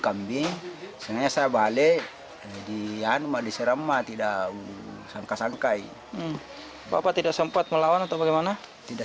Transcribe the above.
kambing sebenarnya saya balik di hanma disirama tidak sangka sangkai bapak tidak sempat melawan atau bagaimana tidak